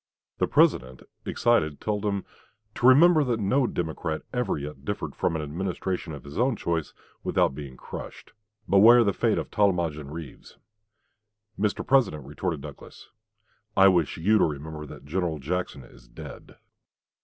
The President, excited, told him "to remember that no Democrat ever yet differed from an administration of his own choice without being crushed. Beware of the fate of Tallmadge and Rives." Douglas, Milwaukee Speech, October 13, 1860. "Mr. President," retorted Douglas, "I wish you to remember that General Jackson is dead."